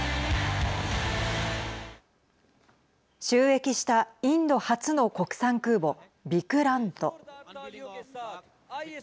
就役したインド初の国産空母ビクラント。